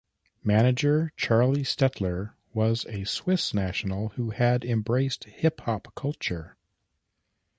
Manager Charlie Stettler was a Swiss national who had embraced hip-hop culture.